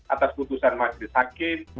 atas keputusan majelis hakim